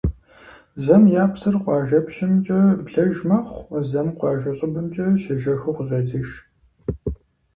Зэм я псыр къуажапщэмкӀэ блэж мэхъу, зэм къуажэ щӀыбымкӀэ щежэхыу къыщӀедзыж.